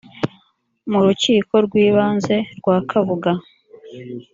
mu rukiko rw’ibanze rwa kabuga